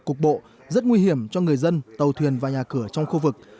cục bộ rất nguy hiểm cho người dân tàu thuyền và nhà cửa trong khu vực